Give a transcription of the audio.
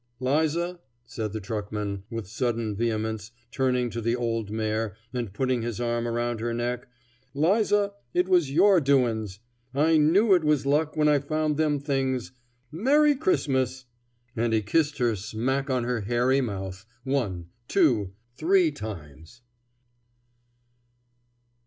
"'Liza," said the truckman, with sudden vehemence, turning to the old mare and putting his arm around her neck, "'Liza! It was your doin's. I knew it was luck when I found them things. Merry Christmas!" And he kissed her smack on her hairy mouth, one, two, three times.